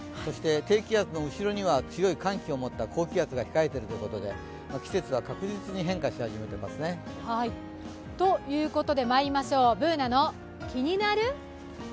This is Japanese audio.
低気圧の後ろには強い寒気を持った高気圧が控えているということで季節は確実に変化し始めていますね。ということで、まいりましょう「ＢｏｏｎａのキニナルＬＩＦＥ」。